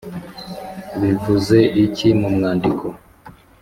bivuze iki mumwandiko?